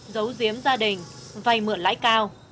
dấu diếm gia đình vay mượn lãi cao